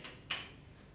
tentang apa yang terjadi